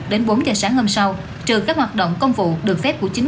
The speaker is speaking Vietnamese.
đến bốn h sáng hôm sau trừ các hoạt động công vụ được phép của chủ tịch